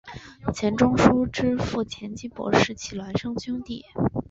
钱钟书之父钱基博是其孪生兄弟。